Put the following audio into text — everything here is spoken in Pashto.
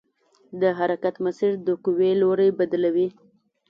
د حرکت مسیر د قوې لوری بدلوي.